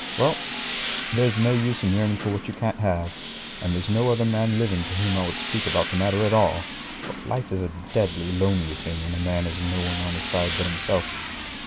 Well, there's no use yearning for what you can't have, and there's no other man living to whom I would speak about the matter at all; but life is a deadly, lonely thing when a man has no one on his side but himself.